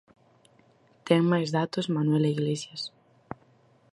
Ten máis datos Manuela Iglesias.